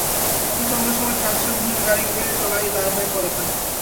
অথচ অন্য সময় ট্রাকসহ বিভিন্ন গাড়ির ভিড়ে চলাই দায় হয়ে পড়ে এখানে।